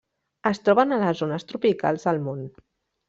Es troben a les zones tropicals del món.